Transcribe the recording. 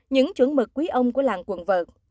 những chuẩn mực quý ông của làng quận vợt